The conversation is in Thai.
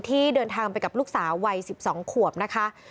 ที่เดินทางไปกับลูกสาววัย๑๒ขวบนะคะ